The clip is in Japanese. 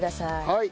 はい。